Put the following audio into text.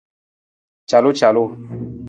Calucalu.